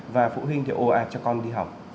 và phụ huynh thì ồ ạt cho con đi học